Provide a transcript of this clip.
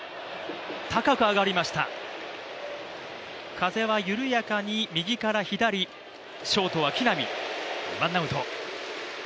風は緩やかに右から左、ショートは木浪、ワンアウト。